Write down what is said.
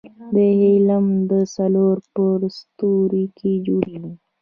د هیلیم څلور په ستورو کې جوړېږي.